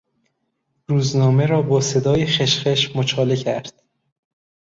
روزنامه را با صدای خشخش مچاله کرد.